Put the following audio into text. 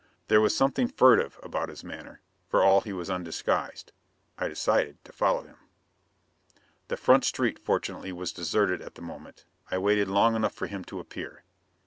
There was something furtive about his manner, for all he was undisguised. I decided to follow him. The front street fortunately was deserted at the moment. I waited long enough for him to appear.